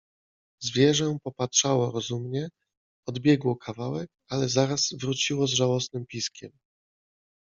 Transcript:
Zwierzę popatrzało rozumnie, odbiegło kawałek, ale zaraz wróciło z żałosnym piskiem.